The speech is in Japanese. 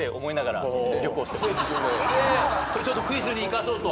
ちょっとクイズに生かそうと？